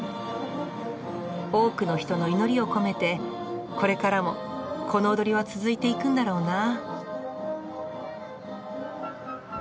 多くの人の祈りを込めてこれからもこの踊りは続いていくんだろうなぁ。